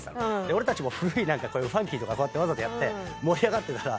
俺たちも古いこういうファンキーとかわざとやって盛り上がってたら。